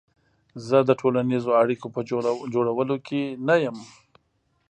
زه د ټولنیزو اړیکو په جوړولو کې نه یم.